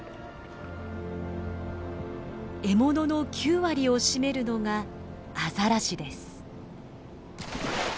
獲物の９割を占めるのがアザラシです。